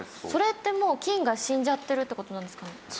それって菌が死んじゃってるって事なんですか？